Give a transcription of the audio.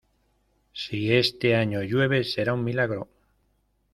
Si este año llueve, será un milagro.